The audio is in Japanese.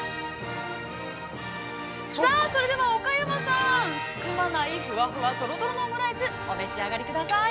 ◆さあ、それでは岡山さん、包まないふわふわとろとろオムライス、お召し上がりください。